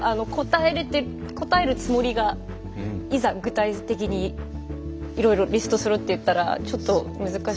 答えるつもりがいざ具体的にいろいろリストするって言ったらちょっと難しいから。